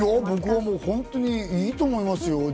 僕は本当にいいと思いますよ。